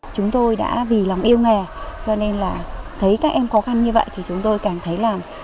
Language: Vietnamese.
chúng tôi đã vì lòng yêu nghề cho nên là thấy các em khó khăn như vậy thì chúng tôi cảm thấy là